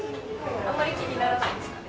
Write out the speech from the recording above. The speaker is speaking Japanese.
あんまり気にならないですか？